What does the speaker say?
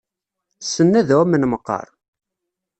Ssnen ad ɛumen meqqar?